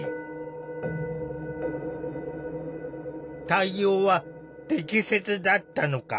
対応は適切だったのか？